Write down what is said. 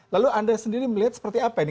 lalu anda sendiri melihat seperti apa ini